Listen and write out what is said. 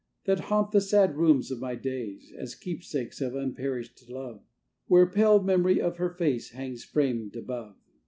That haunt the sad rooms of my days, As keepsakes of unperished love, Where pale the memory of her face Hangs, framed above.